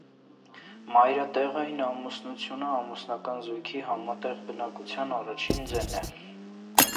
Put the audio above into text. Մայրատեղային ամուսնությունը ամուսնական զույգի համատեղ բնակության առաջին ձեն է։